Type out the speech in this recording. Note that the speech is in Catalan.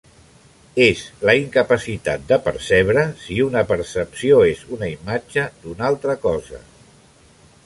És la incapacitat de percebre si una percepció és una imatge d'una altra cosa.